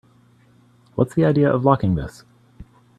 What's the idea of locking this?